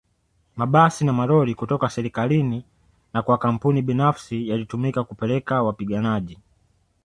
Mabasi na malori kutoka serikalini na kwa kampuni binafsi yalitumika kupeleka wapiganaji